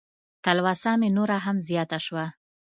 تلوسه مې نوره هم زیاته شوه.